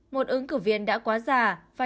một ứng cử viên đã quá già